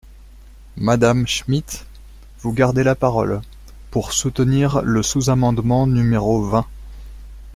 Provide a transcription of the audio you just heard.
Madame Schmid, vous gardez la parole, pour soutenir le sous-amendement numéro vingt.